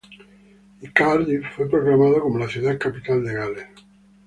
Y Cardiff fue proclamada como la ciudad capital de Gales.